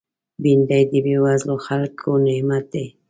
بېنډۍ د بېوزلو خلکو نعمت دی